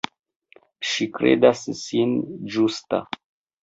Ŝi kredas sin ĝusta.